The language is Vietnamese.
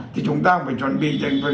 thì chúng ta phải chuẩn bị